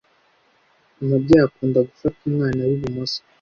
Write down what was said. Umubyeyi akunda gufata umwana we ibumoso.